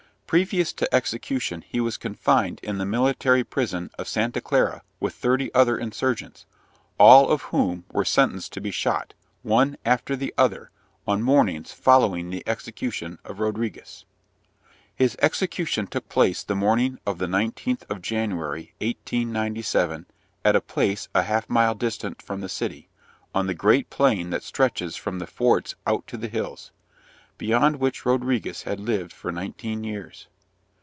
Previous to execution he was confined in the military prison of Santa Clara with thirty other insurgents, all of whom were sentenced to be shot, one after the other, on mornings following the execution of Rodriguez. His execution took place the morning of the 19th of January, 1897, at a place a half mile distant from the city, on the great plain that stretches from the forts out to the hills, beyond which Rodriguez had lived for nineteen years.